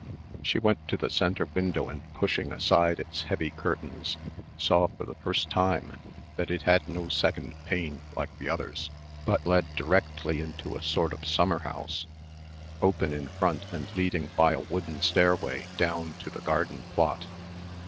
She went to the centre window and pushing aside its heavy curtains saw for the first time that it had no second pane like the others, but led directly into a sort of summer house, open in front and leading by a wooden stairway down to the garden plot.